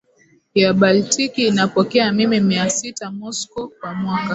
ya Baltiki inapokea mm Mia sita Moscow kwa mwaka